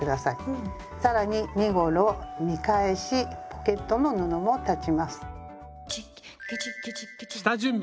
更に身ごろ見返しポケットの布も裁ちます。